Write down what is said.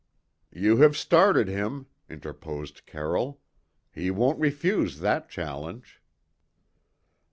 "You have started him," interposed Carroll. "He won't refuse that challenge!"